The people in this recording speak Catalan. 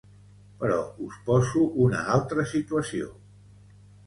Però us poso una altra situació.